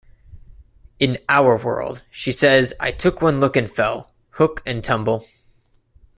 In "Our world" she says "I took one look and fell, hook and tumble.